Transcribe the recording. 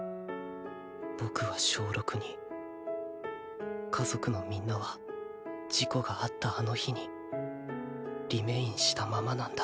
僕は小６に家族のみんなは事故があったあの日にリメインしたままなんだ